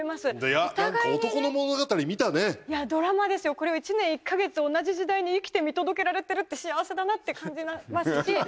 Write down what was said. これを１年１カ月同じ時代に生きて見届けられてるって幸せだなって感じますし。